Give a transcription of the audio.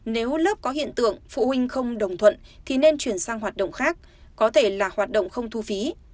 nếu lớp có hiện tượng phụ huynh không đồng thuận thì nên chuyển sang hoạt động khác có thể là hoạt động không thu phí